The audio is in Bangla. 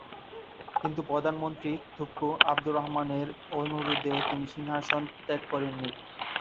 কিন্তু প্রধানমন্ত্রী তুঙ্কু আবদুর রহমানের অনুরোধে তিনি সিংহাসন ত্যাগ করেননি।